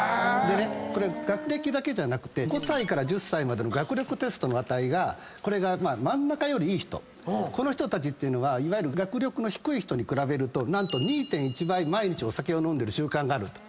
これ学歴だけじゃなくて５歳から１０歳までの学力テストの値が真ん中よりいい人この人たちっていうのはいわゆる学力の低い人に比べると何と２．１倍毎日お酒を飲んでる習慣があると。